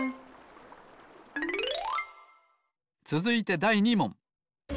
つづいてだい２もん。